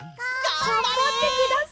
がんばってください。